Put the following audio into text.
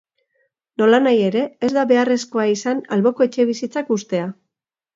Nolanahi ere, ez da beharrezkoa izan alboko etxebizitzak hustea.